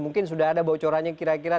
mungkin sudah ada bocorannya kira kira